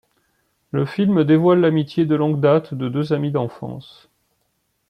Le film dévoile l'amitié de longue date de deux amies d'enfance.